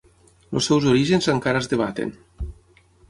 Els seus orígens encara es debaten.